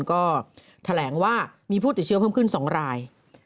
ก็แถลงว่ามีผู้ติดเชื้อเพิ่มขึ้น๒ราย